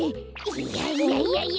いやいやいやいや